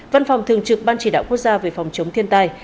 văn phòng thường trực ban chỉ đạo quốc gia về phòng chống thiên tai